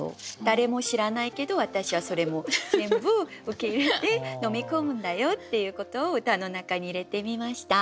誰も知らないけど私はそれも全部受け入れて飲み込むんだよっていうことを歌の中に入れてみました。